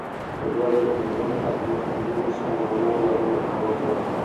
په دوه زره پنځم کال کې د قبیلې مشرانو یو نوی عالي مقام وټاکه.